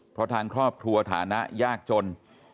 เพราะทางครอบครัวฐานะยากจน